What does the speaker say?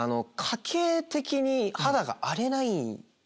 家系的に肌が荒れない。